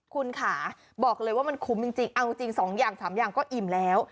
คุณค่ะบอกเลยว่ามันคุ้มจริงเอาจริง๒อย่าง๓อย่างก็อิ่มแล้ว